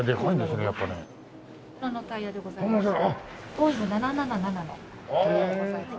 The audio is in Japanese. ボーイング７７７のタイヤでございます。